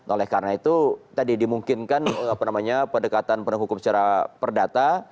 oleh karena itu tadi dimungkinkan pendekatan pendek hukum secara perdata